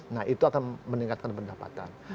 nah itu akan meningkatkan pendapatan